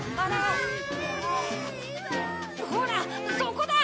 ほらそこだ！